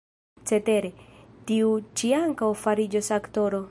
Cetere, tiu ĉi ankaŭ fariĝos aktoro.